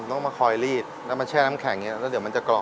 ต้องมาคอยรีดแล้วมาแช่น้ำแข็งอย่างนี้แล้วเดี๋ยวมันจะกรอก